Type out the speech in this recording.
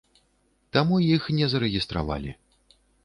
Таму іх не зарэгістравалі.